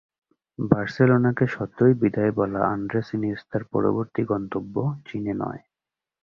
বার্সেলোনাকে সদ্যই বিদায় বলা আন্দ্রেস ইনিয়েস্তার পরবর্তী গন্তব্য চীনে নয়।